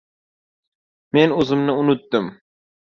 Men o‘zimni unutdim.